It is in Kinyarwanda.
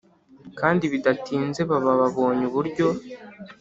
kandi bidatinze baba babonye uburyo